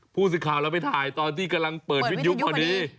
พูดสิคราวแล้วไม่ถ่ายตอนที่กำลังเปิดวิทยุข้อนี้